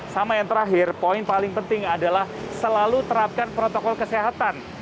sama yang terakhir poin paling penting adalah selalu terapkan protokol kesehatan